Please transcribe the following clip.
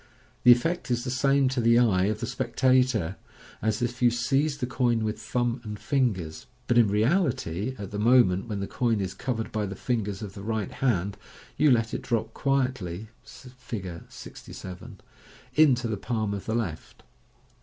The effect is the same to the eye of the spectator as if you seized the coin with thumb and fingers, but, in reality, at the moment when the coin is covered by the fingers of the right hand, you let it drop quietly (see Fig. 6j) into the palm of the left.